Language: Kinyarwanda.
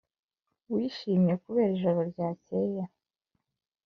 wishimiye kureba ijoro ryakeye?